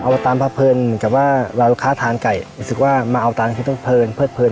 อวตารพาเพิลเหมือนเวลารบอุคาทานไข่สมมุติว่ามาเอาตรานเทศกมันเผินพื้ดเผิน